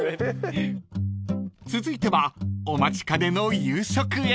［続いてはお待ちかねの夕食へ］